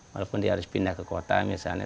walaupun dia harus pindah ke kota misalnya